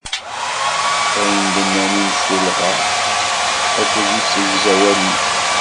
Ayen i d-nnan imsulɣa akked deg isegzawalen.